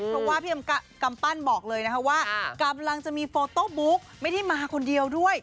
เพราะว่าพี่กำปั้นบอกเลยนะคะว่ากำลังจะมีโฟโต้บุ๊กไม่ได้มาคนเดียวด้วย